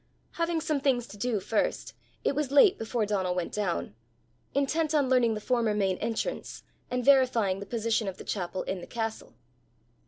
Having some things to do first, it was late before Donal went down intent on learning the former main entrance, and verifying the position of the chapel in the castle.